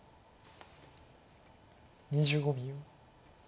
２５秒。